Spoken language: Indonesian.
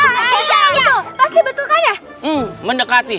pasti betul kan ya